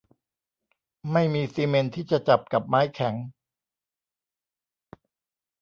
ไม่มีซีเมนต์ที่จะจับกับไม้แข็ง